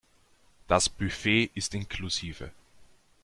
Das Buffet ist inklusive.